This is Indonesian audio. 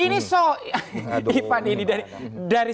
ini so ipan ini dari sudut pegangnya